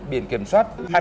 biển kiểm soát